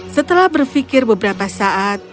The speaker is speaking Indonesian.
setelah berpikir beberapa saat